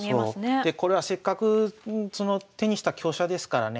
でこれはせっかく手にした香車ですからね。